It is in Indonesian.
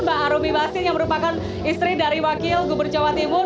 mbak arumi basin yang merupakan istri dari wakil gubernur jawa timur